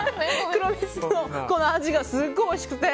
黒蜜の味がすごいおいしくて。